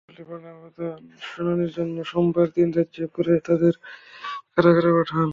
আদালত রিমান্ড আবেদন শুনানির জন্য সোমবার দিন ধার্য করে তাঁদের কারাগারে পাঠান।